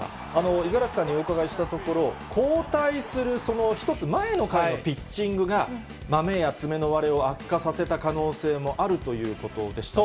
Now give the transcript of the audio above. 五十嵐さんにお伺いしたところ、交代する１つ前の回のピッチングが、まめや爪の割れを悪化させた可能性もあるということでしたね。